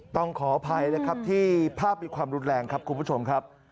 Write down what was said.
ขออภัยนะครับที่ภาพมีความรุนแรงครับคุณผู้ชมครับ